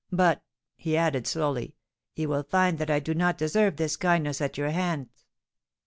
"But," he added slowly, "you will find that I do not deserve this kindness at your hands."